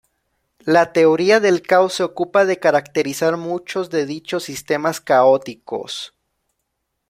La teoría del caos se ocupa de caracterizar muchos de dichos sistemas caóticos.